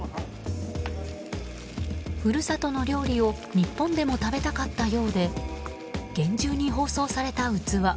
故郷の料理を日本でも食べたかったようで厳重に包装された器。